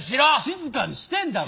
静かにしてんだろ。